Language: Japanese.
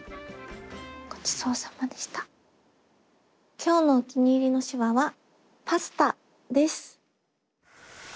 今日のお気に入りの手話は「パスタ」です。